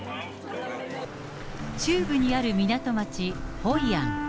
中部にある港町ホイアン。